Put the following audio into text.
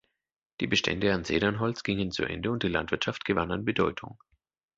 Die Bestände an Zedernholz gingen zu Ende und die Landwirtschaft gewann an Bedeutung.